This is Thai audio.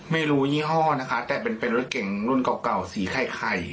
ไม่รู้ยี่ห้อนะคะแต่เป็นรถเก่งรุ่นเก่าสีไข่